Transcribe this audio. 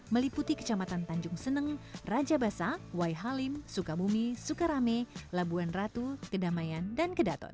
meliputi kecamatan tanjung seneng raja basa wai halim sukabumi sukarame labuan ratu kedamaian dan kedaton